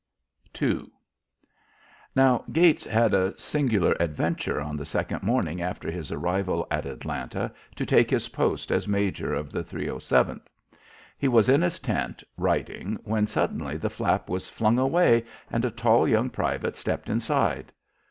II Now Gates had a singular adventure on the second morning after his arrival at Atlanta to take his post as a major in the 307th. He was in his tent, writing, when suddenly the flap was flung away and a tall young private stepped inside.